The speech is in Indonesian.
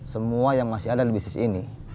semua yang masih ada di bisnis ini